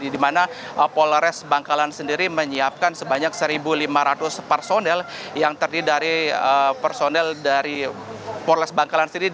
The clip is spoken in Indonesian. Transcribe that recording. di mana polores bangkalan sendiri menyiapkan sebanyak satu lima ratus personel yang terdiri dari personel dari polres bangkalan sendiri